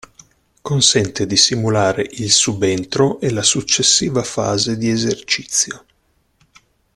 Consente di simulare il subentro e la successiva fase di esercizio.